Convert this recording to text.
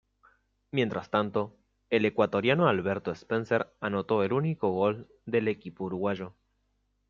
Mientras tanto, el ecuatoriano Alberto Spencer anotó el único gol del equipo uruguayo.